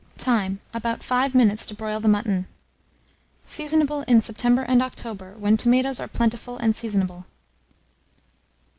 Time. About 5 minutes to broil the mutton. Seasonable in September and October, when tomatoes are plentiful and seasonable.